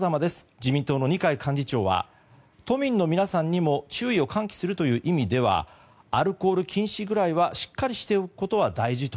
自民党の二階幹事長は都民の皆さんにも注意を喚起するという意味ではアルコール禁止ぐらいはしっかりしておくことは大事と。